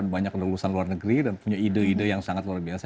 banyak lulusan luar negeri dan punya ide ide yang sangat luar biasa